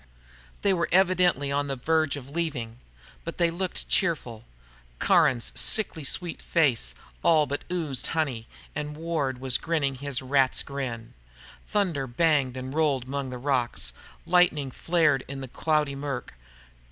They were evidently on the verge of leaving. But they looked cheerful. Caron's sickly sweet face all but oozed honey, and Ward was grinning his rat's grin. Thunder banged and rolled among the rocks. Lightning flared in the cloudy murk.